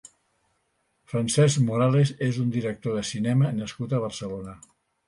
Francesc Morales és un director de cinema nascut a Barcelona.